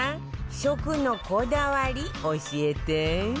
食のこだわり教えて